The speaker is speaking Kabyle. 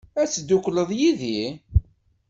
Ad teddukleḍ yid-i?